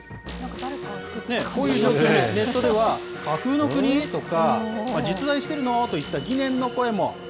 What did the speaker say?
こういう状況にネットでは、架空の国？とか、実在しているの？といった疑念の声も。